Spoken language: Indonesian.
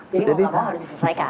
jadi mau apa apa harus diselesaikan